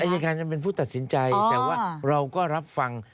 อายการยังเป็นผู้ตัดสินใจแต่ว่าเราก็รับฟัง